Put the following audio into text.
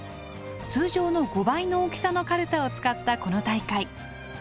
通常の５倍の大きさのカルタを使ったこの大会。